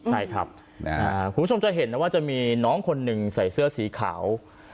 ใช่ครับคุณผู้ชมจะเห็นนะว่าจะมีน้องคนหนึ่งใส่เสื้อสีขาว